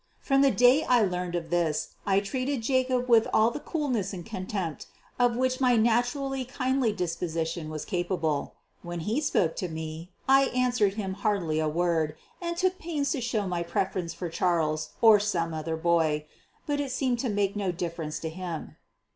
From the day I learned of this, I treated Jacob with all the coolness and contempt of which my naturally kindly disposition was capable. When he spoke to me I answered him hardly a word, and took pains to show my preference for Charles or some other boy. But it seemed to make no difference to him.